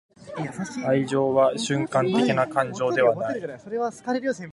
愛情は瞬間的な感情ではない.―ジグ・ジグラー―